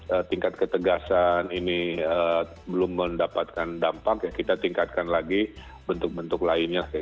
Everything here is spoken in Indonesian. kalau tingkat ketegasan ini belum mendapatkan dampak ya kita tingkatkan lagi bentuk bentuk lainnya